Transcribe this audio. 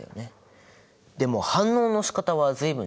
でも反応のしかたは随分違っていた。